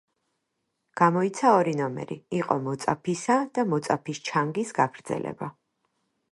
გამოიცა ორი ნომერი; იყო „მოწაფისა“ და „მოწაფის ჩანგის“ გაგრძელება.